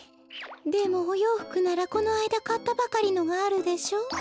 でもおようふくならこのあいだかったばかりのがあるでしょ？